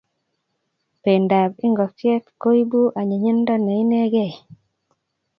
Pendap inokiet koipu anyinyindo ne inegei